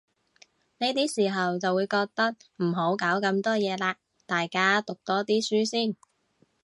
呢啲時候就會覺得，唔好搞咁多嘢喇，大家讀多啲書先